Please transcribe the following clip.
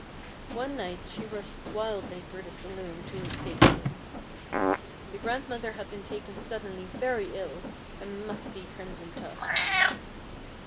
One night she rushed wildly through the saloon to his state room. The grandmother had been taken suddenly very ill, and must see Crimson Tuft.